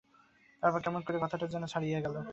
তারপর কেমন করিয়া কথাটা যে ছড়াইয়া গেল!